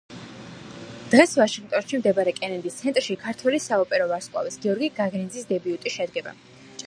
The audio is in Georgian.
დღეს, ვაშინგტონში მდებარე კენედის ცენტრში, ქართველი საოპერო ვარსკვლავის, გიორგი გაგნიძის დებიუტი შედგება.